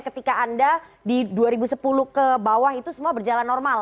ketika anda di dua ribu sepuluh ke bawah itu semua berjalan normal